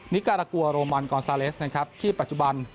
การากัวโรมันกอนซาเลสนะครับที่ปัจจุบัน